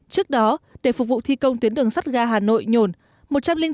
trước đó để phục vụ thi công tuyến đường sắt ga hà nội nhồn